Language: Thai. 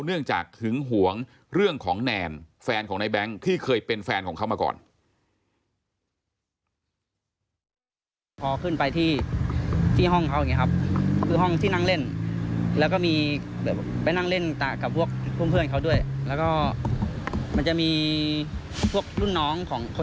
เนื่องจากหึงหวงเรื่องของแนนแฟนของในแบงค์ที่เคยเป็นแฟนของเขามาก่อน